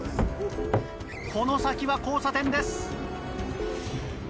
この先は交差点です。